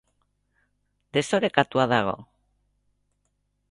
Desorekatua dago.